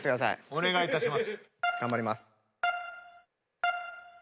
お願いいたします。